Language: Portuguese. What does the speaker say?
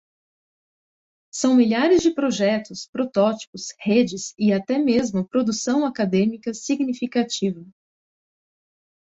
São milhares de projetos, protótipos, redes e até mesmo produção acadêmica significativa.